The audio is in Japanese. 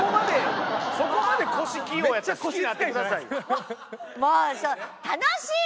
そこまで腰器用やったら好きになってくださいよ。